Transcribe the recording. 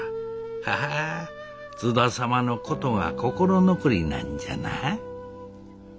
ははあ津田様のことが心残りなんじゃな？